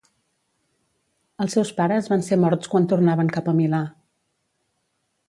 Els seus pares van ser morts quan tornaven cap a Milà.